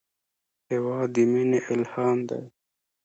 هېواد د مینې الهام دی.